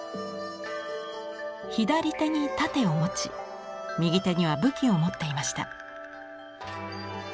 左手に盾を持ち右手には武器を持っていました。